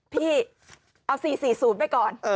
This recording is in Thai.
พี่เอา๔๔๐ไปก่อน